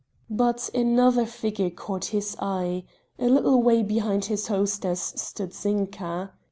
But another figure caught his eye a little way behind his hostess stood Zinka.